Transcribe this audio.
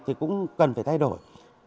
thì cũng cần phải thay đổi